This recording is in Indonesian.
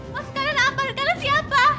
masukkanan apa rekanan siapa